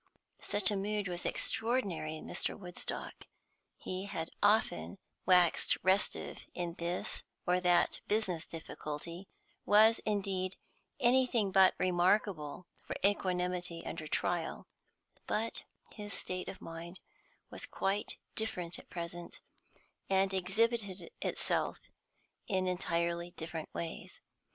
Such a mood was extraordinary in Mr. Woodstock; he had often waxed restive in this or that business difficulty; was, indeed, anything but remarkable for equanimity under trial; but his state of mind was quite different at present, and exhibited itself in entirely different ways.